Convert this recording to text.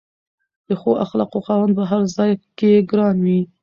د ښو اخلاقو خاوند په هر ځای کې ګران وي.